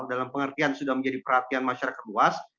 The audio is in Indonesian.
dalam pengertian sudah menjadi perhatian masyarakat luas